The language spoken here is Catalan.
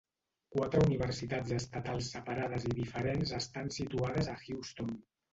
Quatre universitats estatals separades i diferents estan situades a Houston.